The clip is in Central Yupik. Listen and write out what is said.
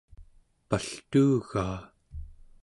paltuugaa